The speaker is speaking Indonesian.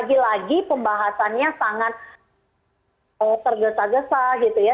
lagi lagi pembahasannya sangat tergesa gesa gitu ya